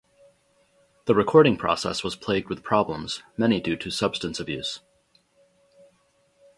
The recording process was plagued with problems, many due to substance abuse.